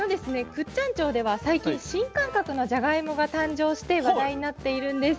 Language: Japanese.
倶知安町では最近新感覚のじゃがいもが誕生して話題になっているんです。